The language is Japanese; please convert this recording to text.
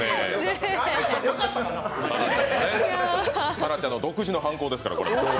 沙良ちゃんの独自の犯行ですから、これ。